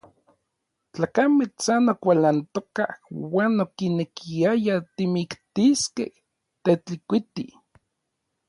Tlakamej san okualantokaj uan okinekiayaj kimiktiskej Tetlikuiti.